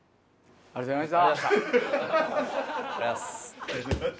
ありがとうございます。